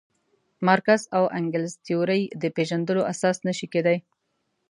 مارکس او انګلز تیورۍ د پېژندلو اساس نه شي کېدای.